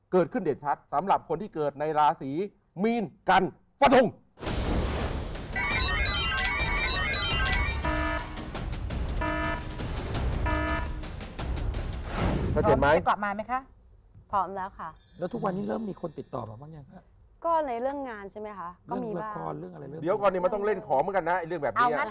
เกิดขึ้นเด็ดชัดสำหรับคนที่เกิดในราศีมีนกันฟันทง